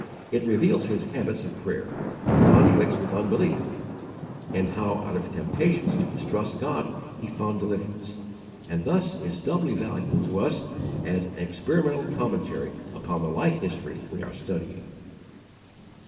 It reveals his habits of prayer, the conflicts with unbelief, and how out of temptations to distrust God he found deliverance; and thus is doubly valuable to us as an experimental commentary upon the life history we are studying.